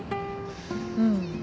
うん。